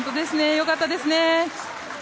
良かったですね。